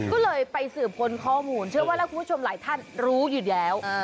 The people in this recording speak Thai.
ก็เลยไปสืบค้นข้อมูลเชื่อว่าแล้วคุณผู้ชมหลายท่านรู้อยู่แล้ว